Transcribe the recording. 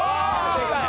でかい。